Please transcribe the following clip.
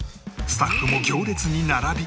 スタッフも行列に並び